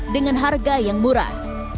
dengan harga yang murah